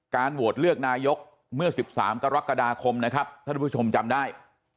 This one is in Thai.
โหวตเลือกนายกเมื่อ๑๓กรกฎาคมนะครับท่านผู้ชมจำได้